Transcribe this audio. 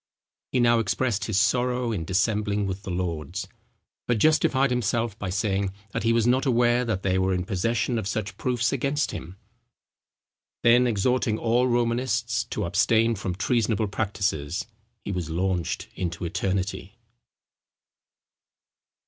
He now expressed his sorrow in dissembling with the lords, but justified himself by saying, that he was not aware that they were in possession of such proofs against him. Then exhorting all Romanists to abstain from treasonable practices, he was launched into eternity.